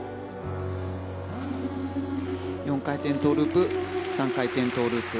４回転トウループ３回転トウループ。